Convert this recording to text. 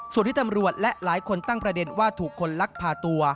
ส่วนที่ตำรวจและหลายคนตั้งประเด็นว่าถูกคนลักพาตัว